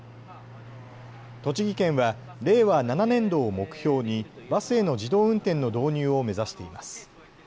栃木県は令和７年度を目標にバスへの自動運転の導入を目指しています。